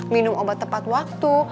minum obat tepat waktu